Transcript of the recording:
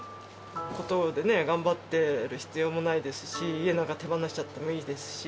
ここまで頑張ってる必要もないですし、家なんか手放しちゃってもいいですし。